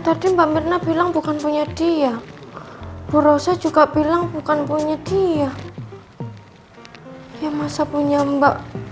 tadi mbak mirna bilang bukan punya dia bu rosa juga bilang bukan punya dia yang masa punya mbak